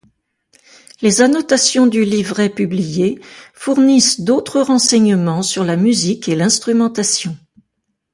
Les annotations du livret publié fournissent d'autres renseignements sur la musique et l'instrumentation.